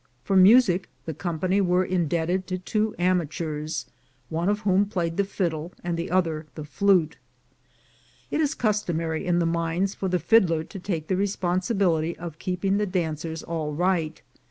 For music the 'company were in debted to two amateurs, one of whom played the fiddle and the other the flute. It is customary in the mines for the fiddler to take the responsibility of keeping the dancers all right.